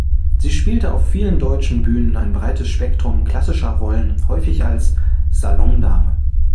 Sie spielte auf vielen deutschen Bühnen ein breites Spektrum klassischer Rollen, häufig als „Salondame“.